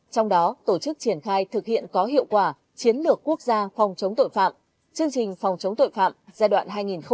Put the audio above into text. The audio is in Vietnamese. trong đó tổ chức triển khai thực hiện có hiệu quả chiến lược quốc gia phòng chống tội phạm chương trình phòng chống tội phạm giai đoạn hai nghìn một mươi bốn hai nghìn hai mươi năm